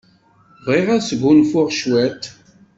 Bɣiɣ ad sgunfuɣ cwiṭ.